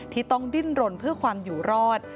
ที่ต้องดิ้นรนเพื่อความอยู่รอด